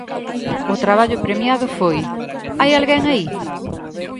O traballo premiado foi Hai alguén aí?